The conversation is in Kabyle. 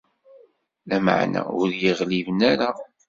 Lameɛna ur iyi-ɣliben ara.